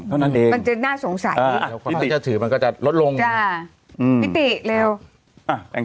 เท่านั้นเองมันจะน่าสงสัยจะถือมันก็จะลดลง